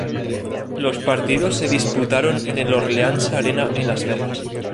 Los partidos se disputaron en el Orleans Arena en Las Vegas.